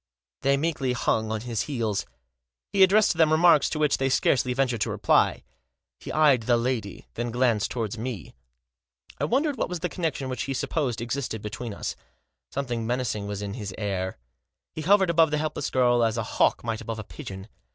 They meekly hung on his heels. He addressed to them remarks to which they scarcely ventured to reply. He eyed the lady. Then glanced towards me. I wondered what was the connection which he sup posed existed between us. Something menacing was in his air. He hovered above the helpless girl as a hawk might above a pigeon.